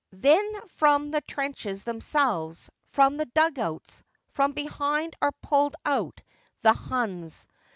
... Then from the trenches themselves, from the dug outs, from behind are pulled out the Huns.